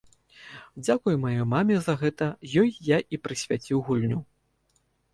Дзякуй маёй маме за гэта, ёй я і прысвяціў гульню.